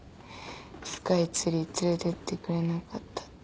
スカイツリー連れてってくれなかったって。